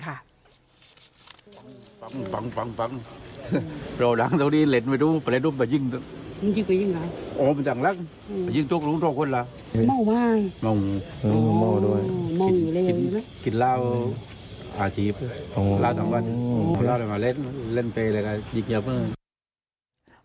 อาชีพร้านสำวัสดิ์เล่นไปเลยอย่างเงียบ